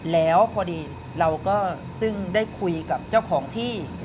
แล้วพอดีเราก็ซึ่งได้คุยกับเจ้าของที่